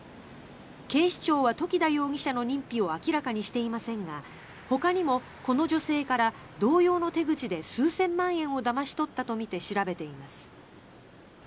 警視庁は時田容疑者の認否を明らかにしていませんがほかにもこの女性から同様の手口で数千万円をだまし取ったとみて調べています。